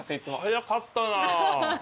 早かったな。